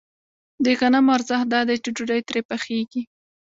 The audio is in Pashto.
د غنمو ارزښت دا دی چې ډوډۍ ترې پخېږي